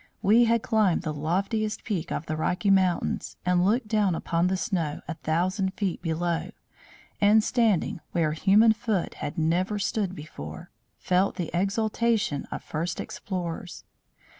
We had climbed the loftiest peak of the Rocky Mountains and looked down upon the snow a thousand feet below, and, standing where human foot had never stood before, felt the exultation of first explorers.